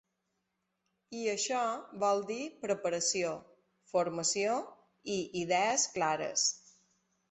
I això vol dir preparació, formació i idees clares.